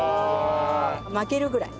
巻けるぐらい。